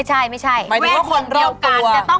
สวัสดีครับ